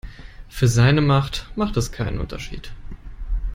Für seine Macht macht es keinen Unterschied.